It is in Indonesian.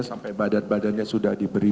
sampai badan badannya sudah diberi